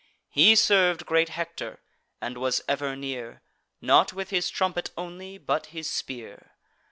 He serv'd great Hector, and was ever near, Not with his trumpet only, but his spear.